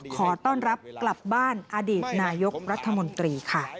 ขอต้อนรับกลับบ้านอดีตนายกรัฐมนตรีค่ะ